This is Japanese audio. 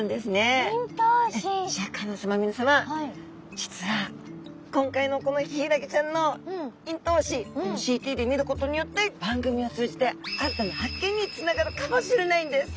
シャーク香音さま皆さま実は今回のこのヒイラギちゃんの咽頭歯ＣＴで見ることによって番組を通じて新たな発見につながるかもしれないんです！